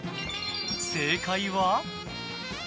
正解は。